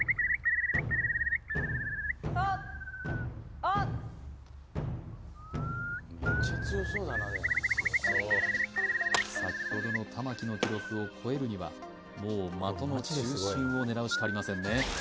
とっおっ先ほどの玉木の記録を超えるにはもう的の中心を狙うしかありませんね